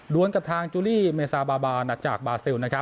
วนกับทางจูลี่เมซาบาบานจากบาซิล